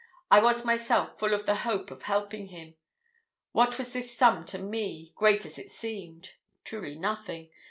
I was myself full of the hope of helping him. What was this sum to me, great as it seemed? Truly nothing.